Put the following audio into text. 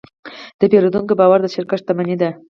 د پیرودونکي باور د شرکت شتمني ده.